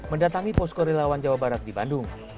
mendatangi poskori lawan jawa barat di bandung